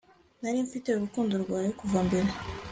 nari mfite urukundo rwawe kuva mbere